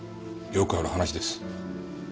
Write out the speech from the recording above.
よくある話です。